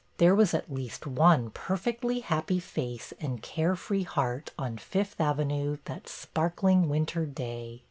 There was at least one per fectly happy face and care free heart on Fifth Avenue that sparkling winter day.